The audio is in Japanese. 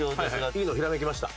いいのひらめきました。